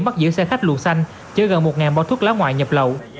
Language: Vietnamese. bắt giữ xe khách luồn xanh chứa gần một bao thuốc lá ngoại nhập lậu